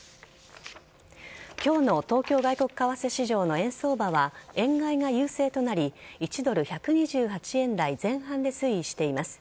今日の東京外国為替市場の円相場は、円買いが優勢となり１ドル１２８円台前半で推移しています。